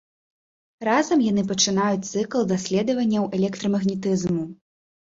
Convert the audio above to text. Разам яны пачынаюць цыкл даследаванняў электрамагнетызму.